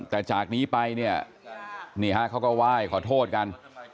แต่จากนี้ไปเนี่ยนี่ฮะเขาก็ไหว้ขอโทษกัน